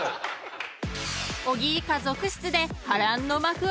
［小木以下続出で波乱の幕開け］